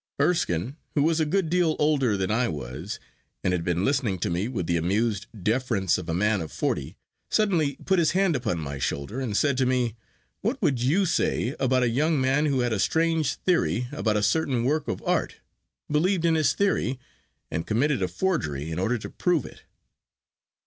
Erskine, who was a good deal older than I was, and had been listening to me with the amused deference of a man of forty, suddenly put his hand upon my shoulder and said to me, 'What would you say about a young man who had a strange theory about a certain work of art, believed in his theory, and committed a forgery in order to prove it?